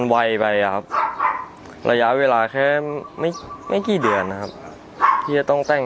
ไวไปอะครับระยะเวลาแค่ไม่กี่เดือนนะครับที่จะต้องแต่ง